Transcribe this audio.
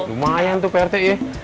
lumayan tuh pak rete ya